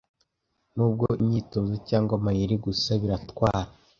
Nubwo imyitozo cyangwa amayeri gusa, biratwara